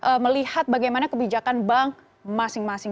sdbk ini akan melihat bagaimana kebijakan bank masing masing